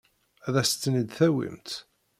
Ad as-ten-id-tawimt?